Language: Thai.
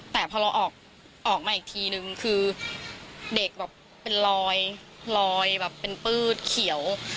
แต่พอเราออกมาอีกทีนึงคือเด็กแบบเป็นรอยลอยแบบเป็นปืดเขียว